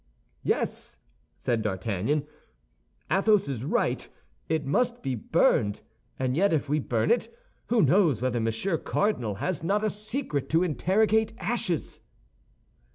"Yes," said D'Artagnan, "Athos is right, it must be burned. And yet if we burn it, who knows whether Monsieur Cardinal has not a secret to interrogate ashes?"